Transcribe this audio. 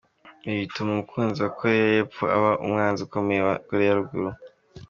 Ibi bituma umukunzi wa Koreya y’Epfo aba umwanzi ukomeye wa Koreya ya Ruguru.